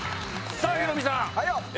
さぁヒロミさん。